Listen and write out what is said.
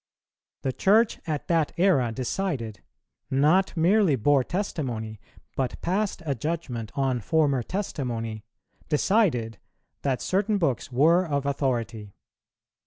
The Church at that era decided not merely bore testimony, but passed a judgment on former testimony, decided, that certain books were of authority.